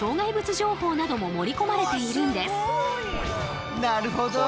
情報なども盛り込まれているんです。